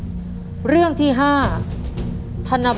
แบบช่วยดูเสลจคือทำทุกอย่างที่ให้น้องอยู่กับแม่ได้นานที่สุด